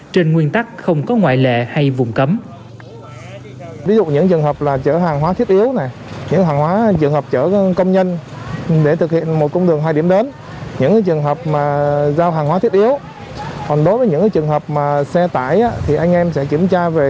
trên nguyên tắc không có ngoại lệ hay vùng cấm